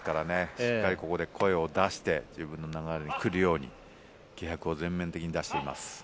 しっかりここで声を出して、自分の流れが来るように、気迫を前面に出しています。